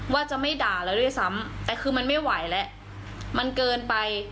ว่าจะไม่ด่าแล้วด้วยซ้ำแต่คือมันไม่ไหวแล้วมันเกินไป